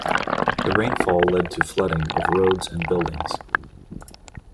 The rainfall led to flooding of roads and buildings.